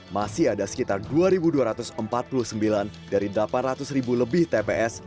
masih ada sekitar dua dua ratus empat puluh sembilan dari delapan ratus ribu lebih tps